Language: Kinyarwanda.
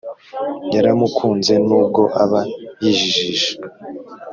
yaramukunze nubwo aba yijijisha